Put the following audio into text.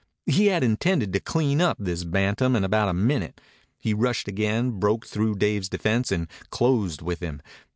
He had intended to clean up this bantam in about a minute. He rushed again, broke through Dave's defense, and closed with him.